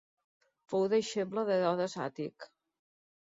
Fou deixeble d'Herodes Àtic.